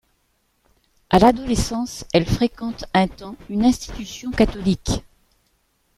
À l'adolescence, elle fréquente un temps une institution catholique.